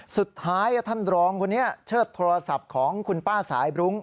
สุดท้ายท่านรองคนนี้เชิดโทรศัพท์ของคุณป้าสายบรุ้ง